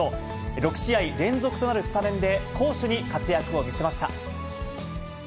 ６試合連続となるスタメンで攻守に活躍を見せました。